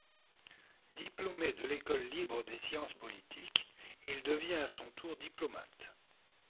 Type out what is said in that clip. Diplômé de l'École libre des sciences politiques, il devient à son tour diplomate.